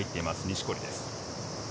錦織です。